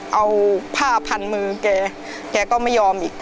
ออกไปผ้าพันมือมาแล้วไม่ยอมลูก